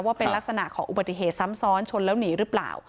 ว่าเป็นลักษณะของอุบัติเหตุซ้ำซ้อนชนแล้วหนีหรือเปล่า